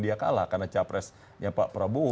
dia kalah karena capresnya pak prabowo